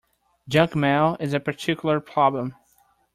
Junk mail is a particular problem